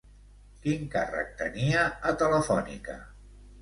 Quin càrrec tenia a Telefònica?